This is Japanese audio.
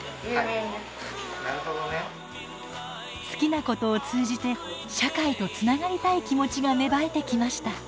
好きなことを通じて社会とつながりたい気持ちが芽生えてきました。